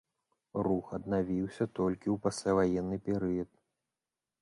Рух аднавіўся толькі ў пасляваенны перыяд.